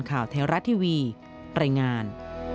ข่าวเทรารัตน์ทีวีไตรงาน